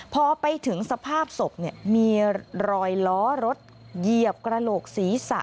พอไปถึงสภาพศพมีรอยล้อรถเหยียบกระโหลกศีรษะ